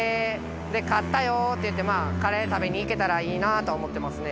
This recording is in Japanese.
で「勝ったよ」って言ってカレー食べに行けたらいいなと思ってますね。